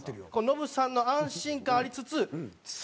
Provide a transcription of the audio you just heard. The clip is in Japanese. ノブさんの安心感ありつつ鋭い